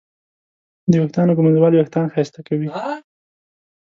د ویښتانو ږمنځول وېښتان ښایسته کوي.